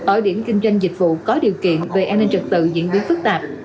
ở điểm kinh doanh dịch vụ có điều kiện về an ninh trực tự diễn biến phức tạp